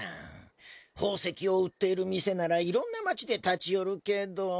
宝石を売っている店ならいろんな町で立ち寄るけど